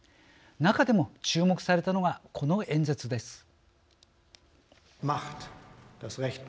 中でも注目されたのがこの演説です。